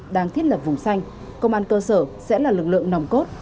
để lập vùng xanh công an cơ sở sẽ là lực lượng nồng cốt